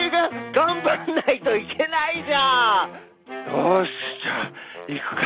よしじゃあいくか。